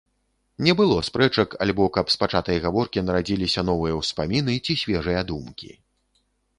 Не было спрэчак альбо каб з пачатай гаворкі нарадзіліся новыя ўспаміны ці свежыя думкі.